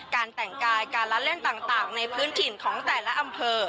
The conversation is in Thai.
การแต่งกายการละเล่นต่างในพื้นถิ่นของแต่ละอำเภอ